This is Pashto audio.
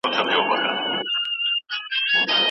د پاولیو د پایلو شرنګ به نه وي